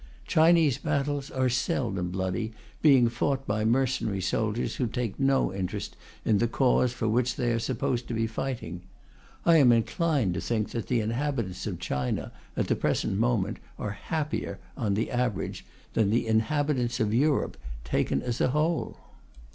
Chinese battles are seldom bloody, being fought by mercenary soldiers who take no interest in the cause for which they are supposed to be fighting. I am inclined to think that the inhabitants of China, at the present moment, are happier, on the average, than the inhabitants of Europe taken as a whole.